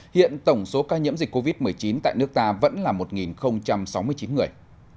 hiện tổng số ca nhiễm dịch covid một mươi chín tại nước ta vẫn là một sáu mươi chín người